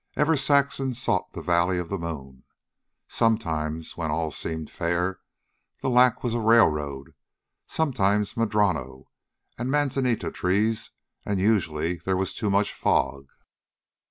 Ever Saxon sought the valley of the moon. Sometimes, when all seemed fair, the lack was a railroad, sometimes madrono and manzanita trees, and, usually, there was too much fog.